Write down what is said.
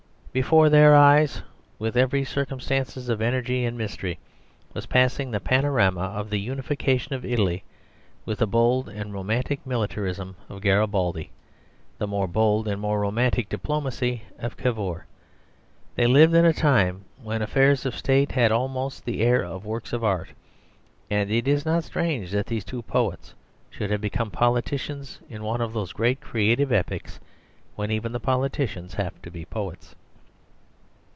Before their eyes, with every circumstance of energy and mystery, was passing the panorama of the unification of Italy, with the bold and romantic militarism of Garibaldi, the more bold and more romantic diplomacy of Cavour. They lived in a time when affairs of State had almost the air of works of art; and it is not strange that these two poets should have become politicians in one of those great creative epochs when even the politicians have to be poets.